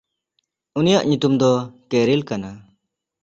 ᱩᱱᱤᱭᱟᱜ ᱧᱩᱛᱩᱢ ᱫᱚ ᱠᱮᱨᱤᱞ ᱠᱟᱱᱟ᱾